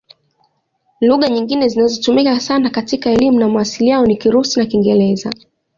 Lugha nyingine zinazotumika sana katika elimu na mawasiliano ni Kirusi na Kiingereza.